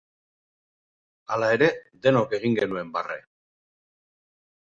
Hala ere, denok egin genuen barre.